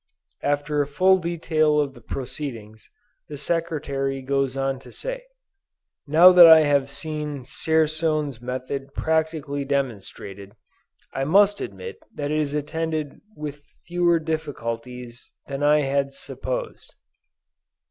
After a full detail of the proceedings, the Secretary goes on to say: "Now that I have seen Dzierzon's method practically demonstrated, I must admit that it is attended with fewer difficulties than I had supposed.